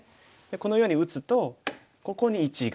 このように打つとここに１眼。